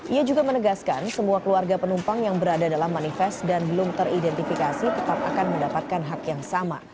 ia juga menegaskan semua keluarga penumpang yang berada dalam manifest dan belum teridentifikasi tetap akan mendapatkan hak yang sama